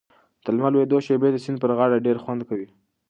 د لمر لوېدو شېبې د سیند پر غاړه ډېر خوند کوي.